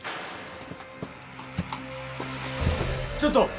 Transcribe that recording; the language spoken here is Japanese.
ちょっと！